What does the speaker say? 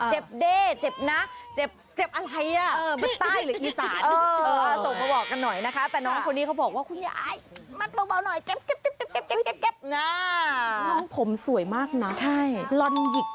เจ็บเด้เจ็บนะเจ็บอะไรอ่ะใต้หรืออีสานส่งมาบอกกันหน่อยนะคะ